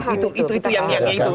itu itu yang